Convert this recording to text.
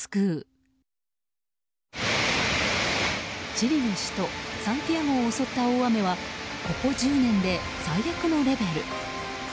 チリの首都サンティアゴを襲った大雨はここ１０年で最悪のレベル。